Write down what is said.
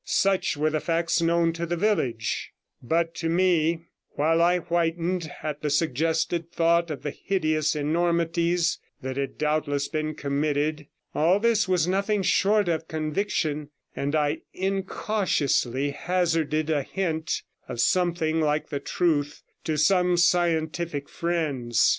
Such were the facts known to the village; but to me, while I whitened at the suggested thought of the hideous enormities that had doubtless been committed, all this was nothing short of conviction, and I incautiously hazarded a hint of something like the truth to some scientific friends.